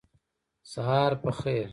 سهار په خیر